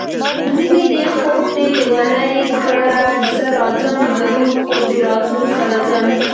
مېنې دې خوب دې لېونی کړه زه راځم ضرور خو د راتلو سره ځم